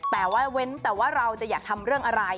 แต่ว่าเว้นแต่ว่าเราจะอยากทำเรื่องอะไร